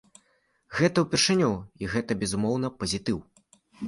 Гэта ўпершыню і гэта безумоўна пазітыў!